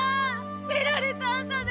寝られたんだね。